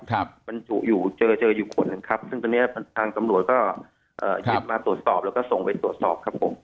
ครับมันเจออยู่คนครับซึ่งตอนนี้ทางสำรวจก็ยึดมาตรวจสอบแล้วก็ส่งไว้ตรวจสอบครับผม